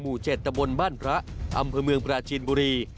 หมู่๗ตำบลบ้านพระอำเภอเมืองปราชินบุรี